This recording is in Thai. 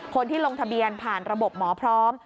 คนที่ลงทะเบียนผ่านระบบหมอพร้อม